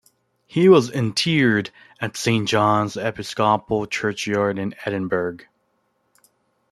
He was interred at Saint John's Episcopal Churchyard in Edinburgh.